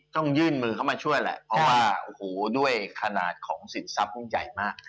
ต้องยื่นมือเข้ามาช่วยแหละเพราะว่าโอ้โหด้วยขนาดของสินทรัพย์ยิ่งใหญ่มาก